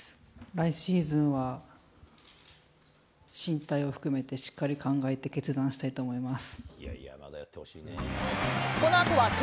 来シーズンは進退を含めてしっかり考えて決断したいと思います。